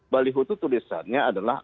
balihu itu tulisannya adalah